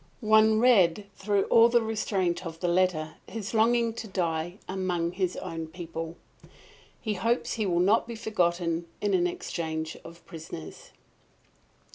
One read through all the restraint of the letter his longing to die among his own people. He hopes he will not be forgotten in an exchange of prisoners!